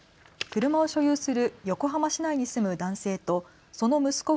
車を所有する横浜市内に住む男性とその息子